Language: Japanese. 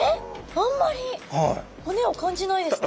あんまり骨を感じないですね。